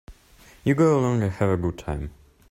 You go along and have a good time.